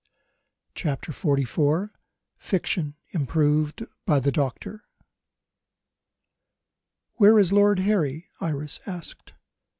CHAPTER XLIV FICTION: IMPROVED BY THE DOCTOR "WHERE is Lord Harry?" Iris asked.